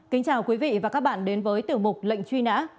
kính chào quý vị và các bạn đến với tiểu mục lệnh truy nã